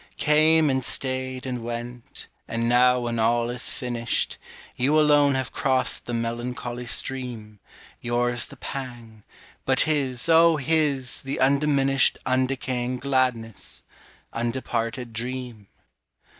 Came and stayed and went, and now when all is finished, You alone have crossed the melancholy stream, Yours the pang, but his, O his, the undiminished Undecaying gladness, undeparted dream.